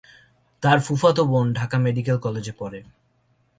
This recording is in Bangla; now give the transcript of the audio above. তার ফুফাতো বোন ঢাকা মেডিকেল কলেজে পড়ে।